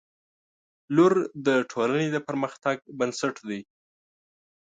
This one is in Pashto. • لور د ټولنې د پرمختګ بنسټ دی.